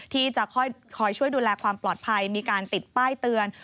ที่จะคอยช่วยดูแลความปลอดภัยมีการติดป้ายเตือน